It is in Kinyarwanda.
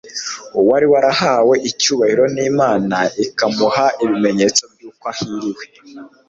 uwari warahawe icyubahiro n'imana ikamuha ibimenyetso by'uko ahiriwe